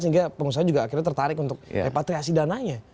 sehingga pengusaha juga akhirnya tertarik untuk repatriasi dananya